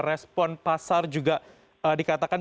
respon pasar juga dikatakan